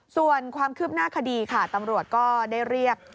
ส่วนความคืบหน้าคดีค่ะตำรวจก็ได้เรียก